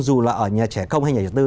dù là ở nhà trẻ công hay nhà tư